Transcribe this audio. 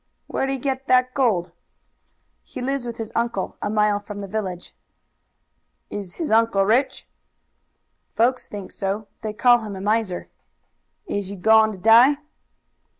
"Where'd he get that gold?" "He lives with his uncle, a mile from the village." "Is his uncle rich?" "Folks think so. They call him a miser." "Is he goin' to die?"